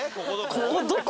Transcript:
「ここどこ！？」